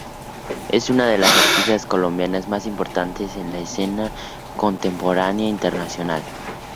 Es una de las artistas colombianas más importantes en la escena contemporánea internacional.